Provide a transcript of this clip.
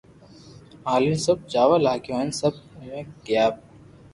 ھالين سب جاوا لاگيا ھين سب اوويا گيا